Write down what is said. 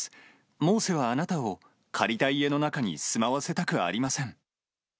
モーセはあなたを借りた家の中に住まわせたくありません。